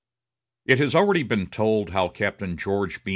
It has already been told how Captain George B.